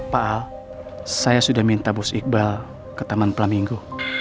pak al saya sudah minta bus iqbal ke taman pelaminggu